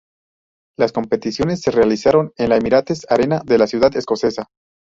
Las competiciones se realizaron en la Emirates Arena de la ciudad escocesa.